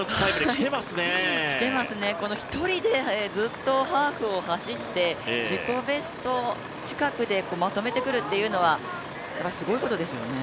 きてますね、１人でずっとハーフを走って自己ベスト近くで、まとめてくるっていうのは、やっぱりすごいことですよね。